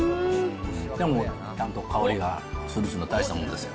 でも、ちゃんと香りがするっていうのは、大したものですよ。